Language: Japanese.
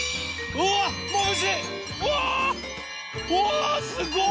うわすごい！